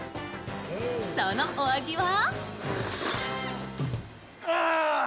そのお味は？